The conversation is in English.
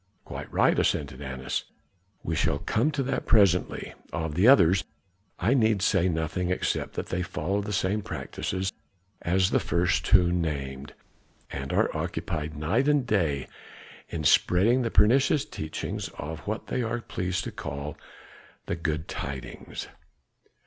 "Quite right," assented Annas, "we shall come to that presently; of the others I need say nothing except that they follow the same practices as the first two named, and are occupied night and day in spreading the pernicious teachings of what they are pleased to call the good tidings.